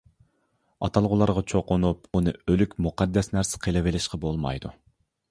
ئاتالغۇلارغا چوقۇنۇپ ئۇنى ئۆلۈك مۇقەددەس نەرسە قىلىۋېلىشقا بولمايدۇ.